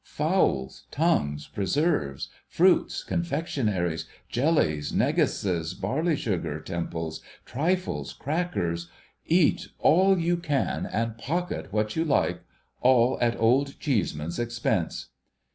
Fowls, tongues, preserves, fruits, confectionaries, jellies, neguses, barley sugar temples, trifles, crackers — cat all you can and pocket what you like — all at Old Cheeseman's expense.